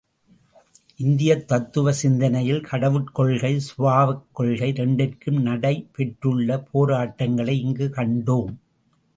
இந்தியத் தத்துவ சிந்தனையில் கடவுட் கொள்கை சுபாவக் கொள்கை இரண்டிற்கும் நடைபெற்றுள்ள போராட்டங்களை இங்கு காண்டோம்.